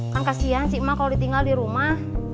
kan kasihan si emak kalo ditinggal di rumah